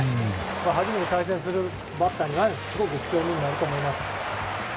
初めて対戦するバッターには強みになると思います。